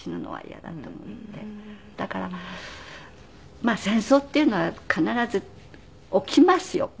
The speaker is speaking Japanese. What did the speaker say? だからまあ戦争っていうのは必ず起きますよ。